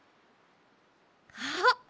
あっ！